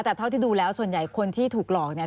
แต่เท่าที่ดูแล้วส่วนใหญ่คนที่ถูกหลอกเนี่ย